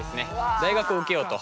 大学を受けようと。